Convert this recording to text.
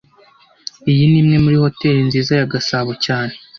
Iyi ni imwe muri hoteri nziza ya Gasabo cyane